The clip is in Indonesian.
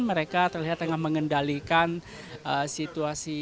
mereka terlihat tengah mengendalikan situasi